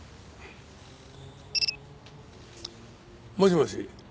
もしもし。